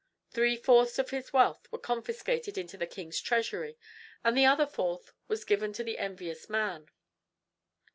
Three fourths of his wealth were confiscated into the king's treasury, and the other fourth was given to the envious man.